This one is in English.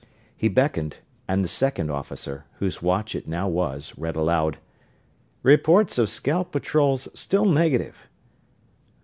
He beckoned, and the second officer, whose watch it now was, read aloud: "Reports of scout patrols still negative."